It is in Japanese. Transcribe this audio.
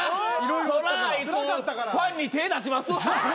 そらあいつファンに手出しますわ。